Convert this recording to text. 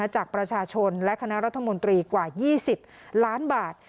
จากประชาชนและคณะรัฐมนตรีกว่า๒๐ล้านบาท